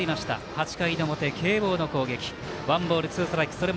８回の表慶応の攻撃。